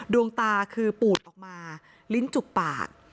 ดวงตาคือปูดออกมาลิ้นจุกปาก